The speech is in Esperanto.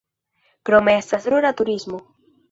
Krome estas rura turismo.